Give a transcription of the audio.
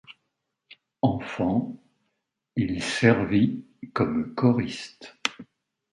Enfant, il servit comme choriste.